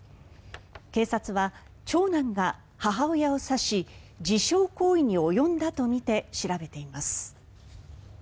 警察は、長男が母親を刺し自傷行為に及んだとみて調べています。